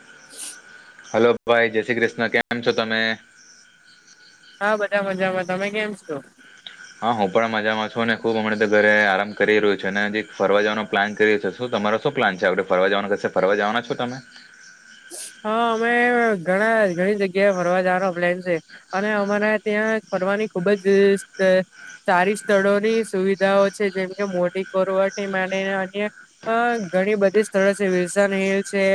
[unintelligible] Hello ભાઈ જય શ્રી કૃષ્ણ, કેમ છો તમે? હા બધા મજામાં, તમે કેમ છો? હા હું પણ મજામાં છું અને ખુબ હમણે તો ઘરે આરામ કરી રહ્યો છું અને હજી ફરવા જવાનો પ્લાન કરીયો છે શું તમારો શું પ્લાન છે આપણે ફરવા જવાનું કશે ફરવા જવાના છો તમે? [inaudible] હા અમે ઘણા ઘણી જગ્યાએ ફરવા જવાના પ્લેન છે અને અમારે ત્યાં ફરવા ની ખુબ જ શ તે સારી સ્થળોની સુવિધાઓ છે જેમ કે મોડી કોરવટી માડીને અહીંયે ઘણી બધી સ્થળો છે વિલસન હિલ છે.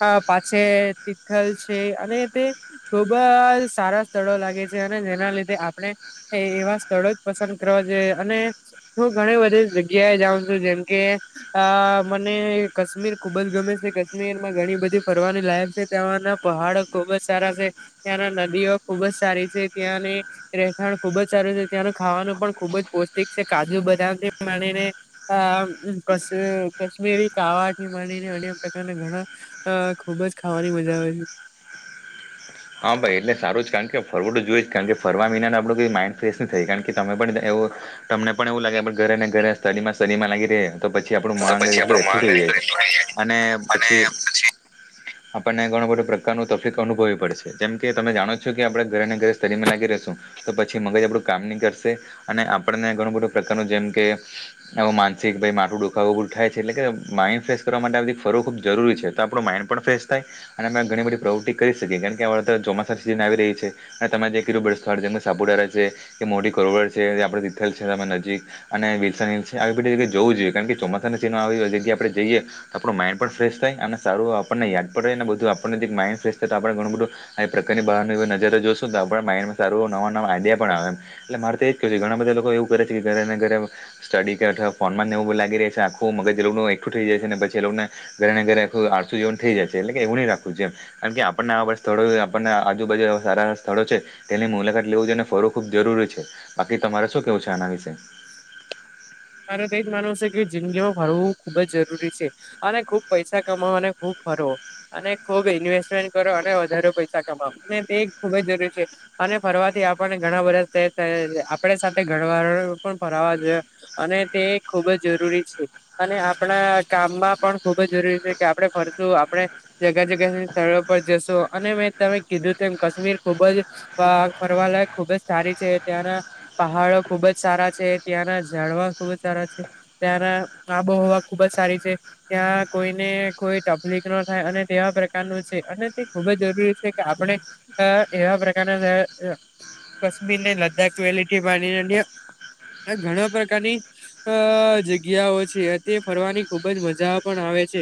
અ પાછે તિથલ છે અને તે ખુબ જ સારા સ્થળો લાગે છે અને જેના લીધે આપણે એવા સ્થળો જ પસંદ કરવા જોઈએ અને હું ઘણી બધી જગ્યા એ જાઉ છું જેમકે આ મને કશ્મીર ખુબ જ ગમે છે કશ્મીરમાં ઘણી બધી ફરવાની લાયક છે ત્યાંના પહાડો ખુબ જ સારા છે ત્યાંના નદીઓ ખુબ જ સારી છે ત્યાં ની રહેઠાણ ખુબ જ સારું છે, ત્યાંનું ખાવાનું પણ ખુબ જ પૌષ્ટિક છે કાજુ બદામથી માન્ડીને આ ક કશ્મીરી કાવાથી માન્ડીને અન્ય પ્રકારના ઘણા હા ખુબ જ ખાવાની મજા આવે છે. હા ભાઈ એટલે સારું જ કારણ કે ફરવું તો જોઈએ જ કારણ કે ફરવા મહિનાને આપણું કોઈ માઇન્ડ ફ્રેશ ની થાય કારણ કે તમે પણ એ વુ તમને પણ એવું લાગે ઘરે ને ઘરે સ્ટડીમાં સ્ટડીમાં લાગી રેયે તો પછી આપણું તો માઈન્ડ પછી આપડો એટલું મહાન એકઠું થઈ જાય છે અને અને પછી આપણને ઘણો બધો પ્રકારનો તકલીફ અનુભવી પડ જેમ કે તમે જાણો છો કે આપણા ઘરે ને ઘરે સ્ટડીમાં લાગી રહેશું તો પછી મગજ આપણું કામ ની કરશે અને આપણને ઘણું બધું પ્રકાર જેમકે એવું માનસિક ભાઈ માથું દુખાવું બધું થાય છે એટલે કે માઈ ફ્રેશ કરવા માટે ફરવું ખૂબ જરૂરી છે તો આપણું માઇન્ડ પણ ફ્રેશ થાય અને અમે ઘણી બધી પ્રવૃત્તિ કરી શકીએ કારણ હમણે તો ચોમાસાની સિઝન આવી રહી છે અને તમે જે કીધું બધા સ્થળ જેમ કે સાપુતારા છે કે મોડી કરવડ છે આપ તિથલ નજીક અને વિલસા આવી બધી જગ્યા જોવું જોઈએ કારણ કે ચોમાસાની આવી જગ્યા એ તો આપણું માઇન્ડ પણ ફ્રેશ થાય અને સારું આપણને યાદ રહે ને બધું આપણને માઇન્ડ ફેશ થાય તો આપણું બધું આ પ્રકારની બારની નજરે જોશું પણ માઇડમાં સારું નવા નવા આઈડિયા પણ આવેમ એટલે મારે તો એજ ક છે લોકો એવું કરે છે કે ઘરે ઘરે સ્ટડી ફર્ન માંવું બ લી રહ છે આખું મગજ એકઠું થઈ જાય. પછી લોકોને ઘરે ને ઘરે આરસું જેવન થઈ જાય છે એટલે કે એવું ન રાખવું છે કારણ કે આપણને આ વર્ષ સ્થળો આપણને આજુબાજુ સારા સ્થળો છે તેની મુલાકાત લેવું જોઈને ફરવું ખૂબ જરૂરી છે. બાકી તમારે શું કેવું છે આના વિશે મારે તો એજ માનવ છે કે જિંદગીમાં ભરવું ખુબ જ જરૂરી છે અને ખુબ પૈસા કમાવ અને ખુબ ફરો અને ખૂબ ઇન્વેસ્ટમેન્ટ કરો અને વધારે પૈસા કમાવો અને તે ખુબ જ જરૂરી છે. અને ફરવાથી આપણને ઘણા બધસ આપણે સાથે ઘણવાર પણ ફરવા જોઈએ. અને તે ખુબ જ જરૂરી છે અને આપણા કામમાં પણ ખૂબ જ જરૂરી છે કે આપડણે ફર આપણે જગ્યા જગ્યા સ્થળો પર જશું અને મેં તમે કીધું ત એમ કાશ્મીર ખુબ જ ફરવાલાયક ખુબ જ સારી છે ત્યાંના પહાડો ખુબ જ સારા છે ત્યાંના જાડવા ખુબ જ સારા છે. ત્યાંના આબોહવા ખુબ જ સારી છે. ત્યાં કોઈનેઈ તકલીફ ન થાય અને તેવા પ્રકારનું છે અને તે ખુબ જ જરૂરી છે કે આપણે એવા [inaudible] કશ્મીર ને લદ્દાખ વલી પા ઘણા પ્રકાર ની જગ્યાઓ છે તે ફરવાની ખુબ જ મજા પણ આવે છે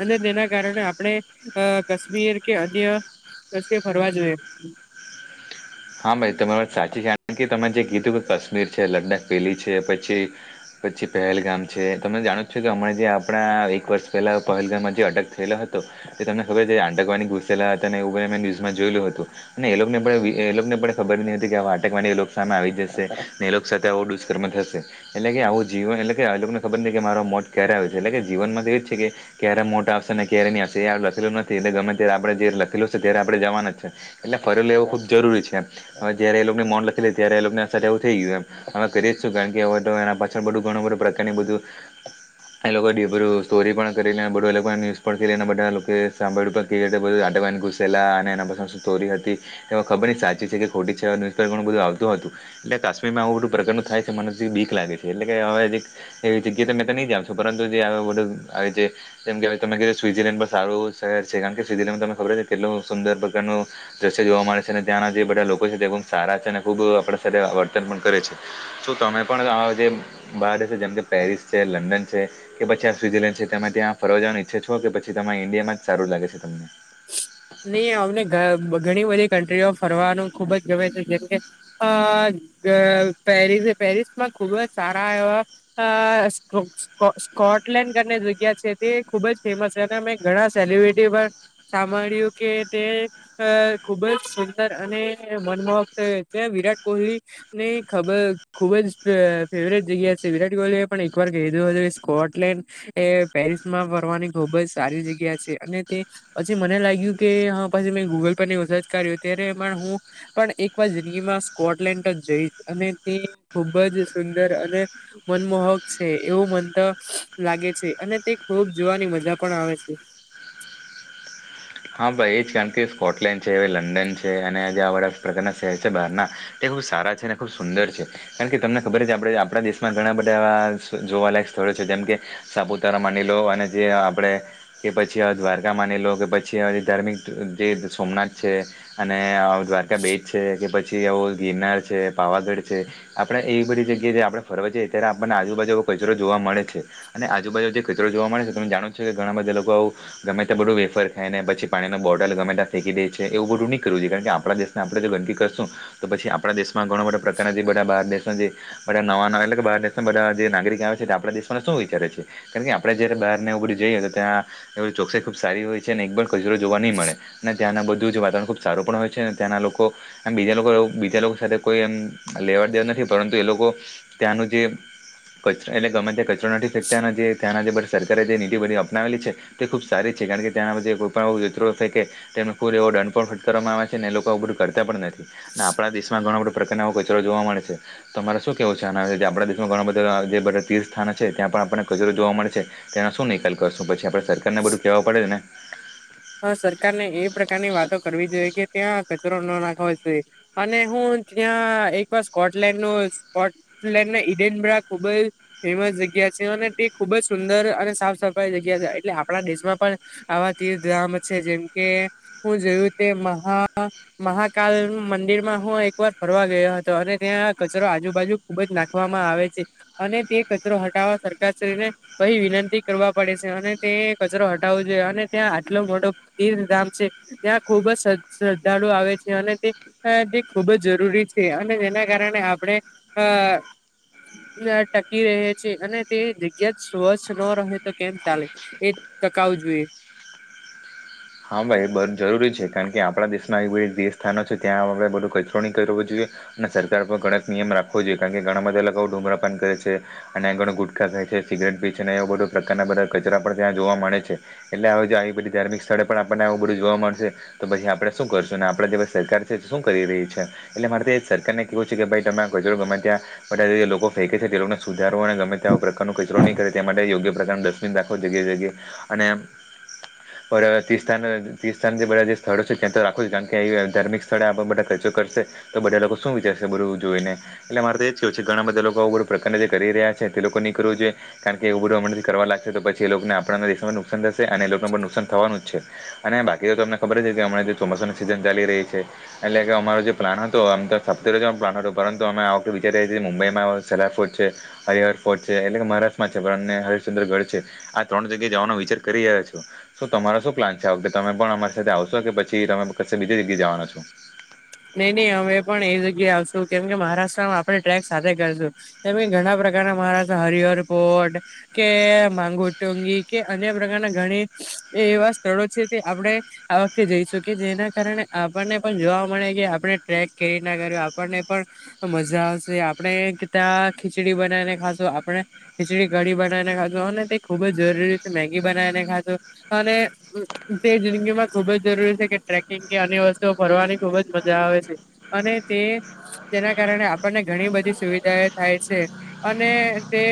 અને તેના કારણે આપણે કાશ્મીર કે અન્ય રસ્ ફરવા જોઈએ. [inaudible] હા ભાઈ તમારી વાત સાચી છે કારણ કે તમારે જે ગીતું કે કાશ્મીર છે લદ્દખ પેલી છે પછી પછી પહેલગામ છે તમે જાણો છો કે હમણા જે આપણા એક વર્ષ પહેલા પહેલગામમાં જે અટક થયેલો હતો. તમને ખબર આકવા ગુસેલા હતા એું બ મે ન્યુઝમાં જોયું હતું અને એ લોકોને પણ એ લોકો ને પણ ખબર નહતી કે આ વાટકવાની એ સામે આવી જશે ને એ લોકો સાથે આવો દુષ્કર્મ થશે એટલે આવું જીવન એટલે કે આ લોકોને ખબર ન કે મારો મોત ક્યારે આવ છે એટલે કે જીવનમાં તો એ જ છે કે ક્યારે મોટ આવશે ને ની હ લખેલું નથી એટલે ગમે ત્યારે આપણે જે લખેલું ત્યારે આપણે જવાનું જ છે એટલે ફરેલો એવું ખબ જરૂરી છે હવે જયારે એ લોકોને મન લખી લે ત્યારે એ લોકોને અસર એવું થઈ ગયું હ કરી જ છું કારણ કે હવે પાછળ બધું ઘણું બધું પ્રકારની બધું એ લોકો બધું સ્ટોરી પણ કરી લને બધું અલગ ન્યુઝ બધા લોકો સાંભળ આ ઘુસેલા અને એના પ શોરી હતી. એમાં ખબરની સાચી છે કે ખોટી છે હવે ન્યુઝપેપર ઘણ બધું આવત હતું એટલે કાશ્મીરમાં આ બધું પ્રકણ થાય છે મથી બી લાગે છે એટલે કે હવે એ જગ્યા તમે નહી જશો પરંતુ જે બું કહેવાય ત સ્વિઝીલેન્ડ પણ સારું શહેર છે કારણ કે સ્વિઝર્લેન્ડ તને ખબ છે કેટલુંદ પ્રકારનું દ્રશ્ય જોવા મળે છે. ત્યાંના જે બધા લોકો છે તેબ સારા છે અને ખુબ આપ સાથે વર્તન પણ કરે છે તમે પણ [unintelligible] જેમ કે પેરિસ છે લંડન છે કે પછી સ્વિઝરલેન્ડ છે તે ત્યાં ફરવાનું ઈચ્છે છો કે પછી તમારે ઇન્ડિયામાં જ સારું લાગે છે તમને નહી અમને ઘણી બધી કન્ટ્રીઓ ફરવાનું ખુબ જ ગમે છે જેમકે અ પેરસ પેરિસ માં ખુબ જ તારા એ સ્કોટલેન્ડની જગ્યા છે તે ખુબ જ ફેમસ છે. મે ઘણા સેલિબ્રિટી પણ સાંભળ્યું કે તે ખુબ જ સુંદર અને મનમોહક છે વિરાટ કોહલી નહી ખબર ખુબ જ ફેવરેટ જગ્યા છે વિરાટ કોહલી એ પણ એક વાર કધું હતું સ્કોટ એટલે એ પેરિસ માં ફરવાની ખુબ જ સારી જગ્યા છે અને તે પછી મને લાગ્યું કે પછી મે ગૂગલ પર સર્ચ કર્યું ત્યારે હું પણ એક વાર જિંદગીમાં સ્કોટલેન્ડ જઈશ અને તે ખુબ જ સુંદર અને મનમોહક છે એવું મનતા લાગે છે અને તે ખૂબ જોવાની મજા પણ આવે છે. હા ભાઈ એ જ કારણ કે સ્કોટલેન્ડ છે લંડન છે. અને જે આવાા પ્રકારના શહેર છે બહારના તે સારા છે અને ખૂબ સુંદર છે. કારણ કે તમને ખબર જ આપ આપણા દેશમાં ઘણા બધાવા જોવાલાયક સ્થળો છે જેમ કે સાપુતારા માની લો અને જે આપડે કે પછી દ્વારકા માની લો કે પછી છી ધાર્મિક જે સોમનાથ છે અને દ્વારકા બેજ છે કે પછી આવ ગિરનાર છે, પાવાગઢ છે આપડે એવી બધી જગ્યાએ જે આપડે ફરવા જઈએ અત્યારે આપણને આજુબાજુ કચરો જોવા મળે મળે છે અને આજુબાજુ જે કચરો જોવા મળે છે તમને જાણો છ છે કે ઘણા બધા લોકો આવું ગમે તે બધું વેફર ખાયને પછી પાણીનો બોટલ ગમેતા ફેંકી દે છે એવું બધું નહીં કરુંએ કારણ આપણા દેશને આપણે જો ગંદકી કરશું તો પછી પછી આપણા દેશમાં ઘણા બટા પ્રકારના જે બધા બહાર દેશના જે બધા નવા એટલે કે બહાર દેશના બધા જે નાગરિક આવે છે આપણા દેશ ને શું વિચારે છે કારણ કે આપણેે જયારે બહારને ઉડી જઈએ તો ત્યાં ચોકસાઈ ખુબ સારી હોય છે ને એક કચરો જોવા નહીં મળે ને ત્યાંના બધું વાતાવરણ ખુબ સારું પણ હોય છેને ત્યાંના લોકો બીજા લોકો બીજા લોકો સાથે કોઈ એમ લેવા દેવા નથી પરંતુ એ લોકો ત્યાંનું જે એટલે ગમે ત્યાં કચરો નથી ફેકતા જે ત્યાંનાં સરકારે જે નીતિ બધી અપનાવેલી છે તે ખૂબ સારી છે કારણ કે ત્યા પછી કોઈ પણ આવું તેમને કુલ એવો દંડ પણ ફટકારવામાં આવે છે અને લોકો ઉગું કરતા પણ નથી. આપણા દેશમાં ઘણા બધા પ્રકારો કચરો જોવા મળે છે. તો તમારે શું કેવું છે આના આપણા દેશમાં ઘણા બધા બધા તીર્સ્થા છે ત્યાં પણ આપણને કચરો જોવા મળે છે તેનો શું નિકાલ કરશું પછી આપણે સરકારને બધું કહેવા પડે છે ને. હા સરકારને એ પ્રકારની વાતો કરવી જોઈએ કે ત્યાં કચ રો નો નાખવો જોઈ અને હું ત્યાં એક વાર સ્કોટલેન્ડ નું સ્કોટલેન્ડ નઈ પણ [unintelligible] ખુબ જ ફેમસ જગ્યા છે અને તે ખુબ જ સુંદર અને સાફ સફાઈ જગ્યા છે એટલે આપ આપણા દેશમાં પણ આવા ગામ છે જેમ કે હું જોયું તે મહા મહાકાલ મંદિરમાં હોય એક વાર ફરવા ગયો હતો અને ત્યાં કચરો આજુબાજુ ખુબ જ નાખવામાં આવે છે અને તે કચરો હટાવવા સરકાર શ્રી ને વિનંતી કરવા પડે છે અને તે કચરો હટાવવો જોઈએ અને ત્યાં એટલો મોટો તીર ધામ છે ત્યાં ખુબ જ શ્રદ્ધાળુ આવે છે અને તે તે ખૂબ ખૂબ જ જરૂરી છે અને જેના કારણે આપણે અ ટકી રહે છે અને તે જગ્યા જ સ્વચ્છ નો રહે તો કેમ ચાલે. ટકાવ જોઈએ. હા ભાઈ બવ જરૂરી છે કારણ કે આપણા દેશના એ બધી તીર્થ સ્થાનો છે ત્યાં આપડણે બધું કચરો ન કરવો જોઈએ. સરકાર પર કડક નિયમ રાખવો જોઈએ કારણ કે ઘણા બધા લોકો ધુમ્રપાન કરે છે અને ઘણ ગુટખા ખાય સિગરેટ બી છે એવા બધ પ્રકારના બધા કચરા પણ ત્યાં જોવા મળે છે એટલે હ આવી બધી ધાર્મિક સ્થળે પણ આપણને આવું બધું જોવા મળશે તો પછી આપણે શું કરશું આપણે જે સરકાર છે શું કરી રહી છે એટ સરકારને કેવું છે કે ભાઈ તમે ગમે‌ ત્યાં બ લોકો ફેકે છે તે લોકોને સુધારો અને ત્યાં પ્રકાર કચરો નહી કરે તે માટે યોગ્ય પ્રકાર ડસ્બિન રાખો જગ્યાએ જગ્યાએ અને આ તીર્થ તીર્સ્થ જે બધા જે સ્થળો છે ત્યાં તો રાખો છો કારણ કે ધાર્મિક સ્થળે આપ બધા ખર્ચો કરશે તો બધા લોકો શું વિચારશે બધું જોઈ ને એટલે મારે તો એ જ કેું છે કે ઘણા બધા લોકો બધુ પ્રકારના જે કરી રહ્યા છે તે લોકો નીકવું છે કારણ કે એવું બધું અમ કરવા લાગશે તો પછી એ લોકોને આપ દેશમાં નુકસાન થશે અને એ લોકોને પણ નુકસાન થવાનું જ છે અને બાકી તો તમને ખબર છે કે હમણાં જે ચોમાસાની સિઝન ચાલી રહી છે એટલે કે અમારો જે પ્લાન આમ તો [unintelligible] પ્લાન હતો પરંતુ અમે આખતે વિચારીયે એ મુંબઈમાં સેલાર્ટ છે [unintelligible] છે એટલે કે મહારાષ્ટ્રમાં છે પણ હરશચંદ્રગઢ છે આ ત્રણ જગ્યાએ જવાનો વિચાર કરી રહ્યા છો શું તમારા શું પ્લાન છે આ વખતે તમે પણ અમારી સાથે આવશો કે પછી તમે ક બીજી જગ્યા જવાના છો? નઈ નહી અમે પણ એ જગ્યા આવશું કેમ કે મહારાષ્ટ્રમાં આપણે ટ્રેક સાથે કરશું તમે ઘણા પ્રકારના મહારા હરિહર પોર્ટ કે માંગુ ટુંંગી કે અન્ય પ્રકારના ઘણી એ એવા સ્થળો છે તે આપણે આ વખતે જઈશકી જેના કારણે આપણને પણ જોવા આપણે ટ્રેક કરી ના કર આપણને પણ મજા આવશે આપણે ત્યાં ખીચડી બને ખા શું આપણે ખીચડી કડી બનાવીને ખાશું અને તે ખુબ જ જરૂરી છે મેગી બનાવીને ખાશું અને તે જિંદગીમાં ખુબ જ જરૂરી છે કે ટ્રેકિંગ કે આ વસ્તુઓ ફરવાની ખુબ જ મજા આવે છે અને તે તેના કારણે આપણને ઘણી બધી સુવિધા એ થાય છે. અને તે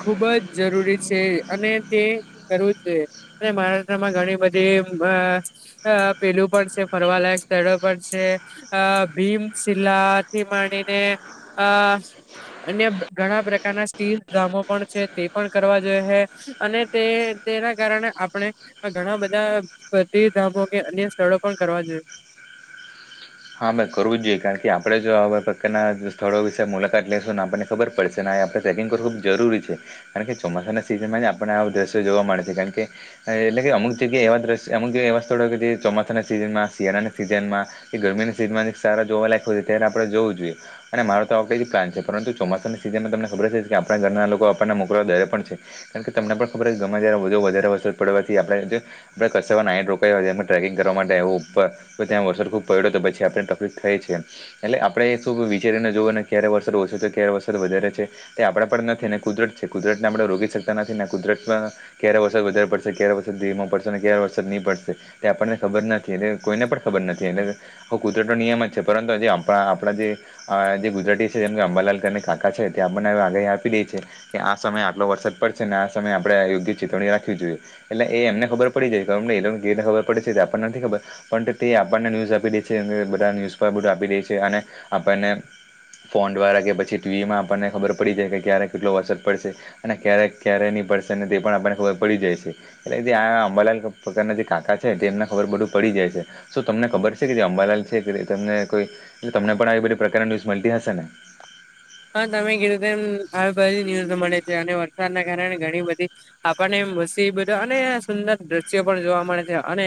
ખુબ જ જરૂરી છે અને તે કરવું જ જોઈએ અને મહારાષ્ટ્રમાં ઘણી બધી જે પેલું પણ છે, ફરવાલાયક સ્થળો પણ છે, અ ભીમશિલ્લાથી માણીને અ અન્ય ઘણા પ્રકારના તીર્થ ધામો પણ છે, તે પણ કરવા જોઈએ, હ અને તે તેના કારણે, આપણે ઘણા બધા‌ તીર્થધામો કે અન્ય સ્થળો પણ કરવા, જોઈએ હા, ભાઈ કરવુ જ જોઈએ, કારણ કે આપણે જો આવા પ્રકારના સ્થળો વિશે મુલાકાત લઈશું આપણને ખબર પડશે ને ને આપણે ટ્રેકિંગ કરવું ખૂબ જરૂરી છે, કારણ કે ચોમાસાના સિઝનમાં જ આપણને આવું દ્રશ્ય જોવા મળે છે, કારણ કે એટલે કે અમુક જગ્યા, એવા દ્રશ્ય અમુક જગ્યાએ એવા સ્થળો હોય, કે જે ચોમાસાના સિઝનમાં શિયાળાના સિઝનમા કે ગરમીની સિઝનમાં સારા જોવા લગતા હોય, ત્યારે આપડે જવું જોઈએ અને મારો તો આ ફેરી પ્લાન છે, પરતુ ચોમાસાની સિ ઝનમાં તમને ખબર છે કે આપણા ઘરના લોકો, આપણને મોકલવા ડ રે પણ છે. કારણ કે તમને પણ ખબર છે, કે ગમે જ્યારે વધારે વર પડવાથી આપણે, [unintelligible] ટ્રેકિંગ કરવા માટે આવુંર તો ત્યાં વરસાદ ખૂબ પડ્યો તો પછી આપને તકલીફ થાય છે. એટલે આપડે શું વિચારીને જવું ને ક્યારે વરસાદ ઓછો ક્યારે વરસાદ વધારે તે આપડા પણ નથી, કુદરત છે, કુદરતને આપણે રોકી શકતા નથી ને કુદરતમાં ક્યારે વરસાદ વધા પડશે વરમા, પડશે ક વરસાદ ની પડશે આપણને ખબર નથી, એટલે કોઈને પણ ખબર નથી, એટલે હ, કુદરતો નિયમ જ છે. પરંતુ આ જે અંબા આપણા જે અ જે ગુજરાતી છે, જેમ કે અંબાલાલ કરીને કાકા છે. છે, તે આપણને આગાહી આપી દે છે, કે આ સમયે આટલો વરસાદ પડશે ને આ સમયે આપડે યોગ્ય ચેતવણી રાખવી જોઈએ એટલે એ એમને ખબર પડી જાય [unintelligible] એમને કેવી રીતે ખબર પડી આપણને નથી, ખબર પણ તે આપણને ન્યૂઝ આપી દે છે, બધા ન્યૂઝ પર બધું આપી દે છે, અને આપણને ફોન દ્વારા, કે પછી ટીવીમાં આપણને ખબર પડી જાય કે ક્યારેક, કેટલો વરસાદ પડશે અને ક્યારેક, ક્યારે પડશે ને તે પણ આપને ખબર પડી જાય છે, એટલે આ અંબાલાલ પ્રકારના જે કાકા છે, તેને ખબર બધું પડી જાય છે, શું તમને ખબર છે. કે જે અંબાલાલ છે, કે તને કોઈ તમને પણ આવી બધી પ્રકારની ન્યુઝ મળતી હશે ને હા, તમે કીધું તેમ આ બધી ન્યુઝ મળે છે. અને વરસાદના કારણે ઘણી બધી આપણને મુસીબતો, અને સુંદર દ્રશ્યો પણ જોવા મળે છે. અને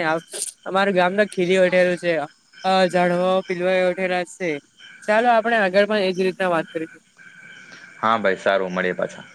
અમાર ગામના ખીલી ઉઠે છે, અ જાડવા પીલવાઠેલા છે. ચાલો આપણે આગળ પણ એજ રીતના વાત કરી હા, ભાઈ સારુ મળ્યે, પાછા